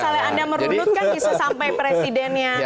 karena kalau misalnya anda merundutkan bisa sampai presidennya cacat hukum juga